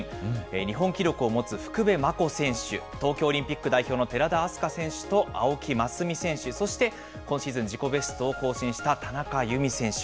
日本記録を持つ福部真子選手、東京オリンピック代表の寺田明日香選手と青木益未選手、そして今シーズン、自己ベストを更新した田中佑美選手。